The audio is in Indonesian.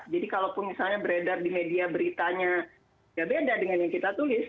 jadi kalau misalnya beredar di media beritanya tidak beda dengan yang kita tulis